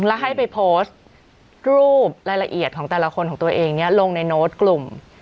แล้วให้ไปโพสต์รูปรายละเอียดของแต่ละคนของตัวเองลงในโน้ตกลุ่ม